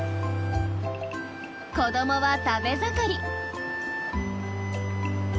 子どもは食べ盛り。